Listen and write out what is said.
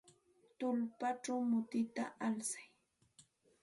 Tullpachaw mutita alsay.